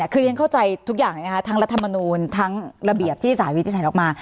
คือเรียนเข้าใจทุกอย่างทั้งรัฐมนูลทั้งระเบียบที่สารวินิจฉัยออกมา